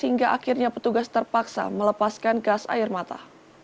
hingga akhirnya petugas terpaksa melepaskan gas air mata